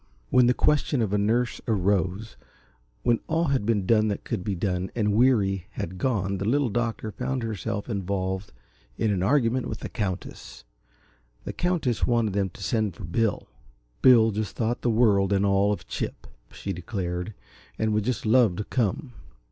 When the question of a nurse arose, when all had been done that could be done and Weary had gone, the Little Doctor found herself involved in an argument with the Countess. The Countess wanted them to send for Bill. Bill just thought the world and all of Chip, she declared, and would just love to come.